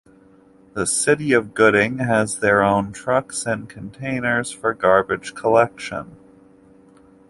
The city of Gooding has their own trucks and containers for garbage collection.